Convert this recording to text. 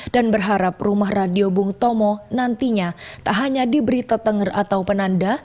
dan berharap rumah radio bung tomo nantinya tak hanya diberi tetenger atau penanda